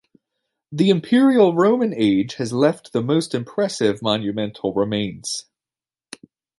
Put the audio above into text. The Imperial Roman age has left the most impressive monumental remains.